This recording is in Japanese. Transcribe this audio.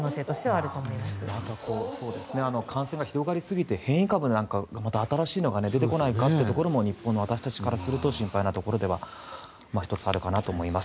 あとは感染が広がりすぎて変異株なんかまた新しいのが出てこないかというのも日本の私たちからすると心配なところでは１つあるかなと思います。